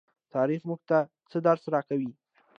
تاریخ موږ ته څه درس راکوي؟